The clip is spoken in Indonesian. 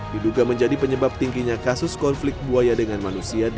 diduga menjadi penyebab tingginya kasus konflik buaya dengan manusia